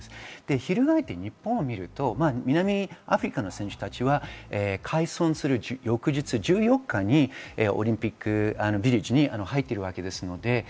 翻って日本を見ると南アフリカの選手たちは開村する翌日、１４日にオリンピックビレッジに入っています。